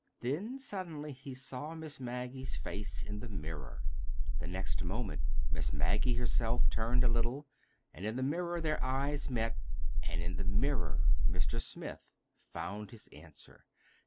Then, suddenly, he saw Miss Maggie's face in the mirror. The next moment Miss Maggie herself turned a little, and in the mirror their eyes met—and in the mirror Mr. Smith found his answer.